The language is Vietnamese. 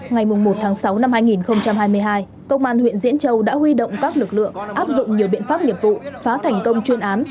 ngày một sáu hai nghìn hai mươi hai công an huyện diễn châu đã huy động các lực lượng áp dụng nhiều biện pháp nghiệp vụ phá thành công chuyên án